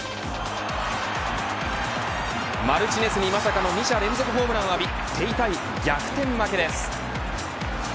マルティネスにまさかの２者連続ホームランを浴び手痛い逆転負けです。